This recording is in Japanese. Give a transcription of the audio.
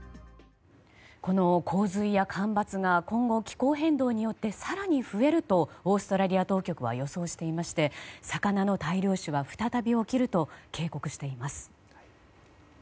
この洪水や干ばつが今後、気候変動によって更に増えるとオーストラリア当局は予想していまして、魚の大量死は再び起きると警告しています。